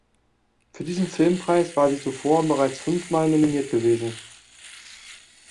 Für diesen Filmpreis war sie zuvor bereits fünf Mal nominiert gewesen.